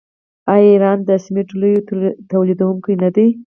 آیا ایران د سمنټو لوی تولیدونکی نه دی؟